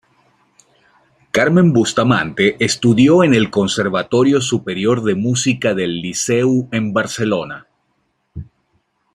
Carmen Bustamante estudió en el Conservatorio Superior de Música del Liceu en Barcelona.